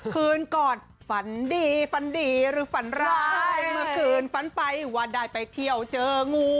คืนก่อนฝันดีฝันดีหรือฝันร้ายเมื่อคืนฝันไปว่าได้ไปเที่ยวเจองู